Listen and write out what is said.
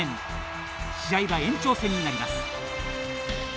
試合は延長戦になります。